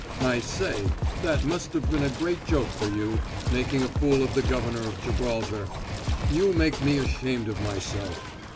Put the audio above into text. I say, that must have been a great joke for you making a fool of the governor of Gibraltar. You make me ashamed of myself.